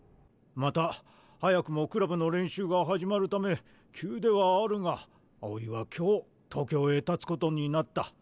また早くもクラブの練習が始まるため急ではあるが青井は今日東京へたつことになった。